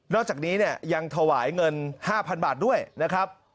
อกจากนี้เนี่ยยังถวายเงิน๕๐๐๐บาทด้วยนะครับ